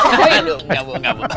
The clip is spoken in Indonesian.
aduh enggak mau